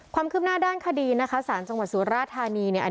ความคืบหน้าด้านคดีนะคะสารจังหวัดสุราธานีเนี่ย